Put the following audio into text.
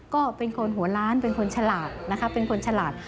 ก็เป็นคนหัวล้านเป็นคนฉลาด